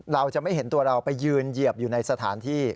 เราจะไม่เห็นตัวเราไปยืนเหยียบอยู่ในสถานที่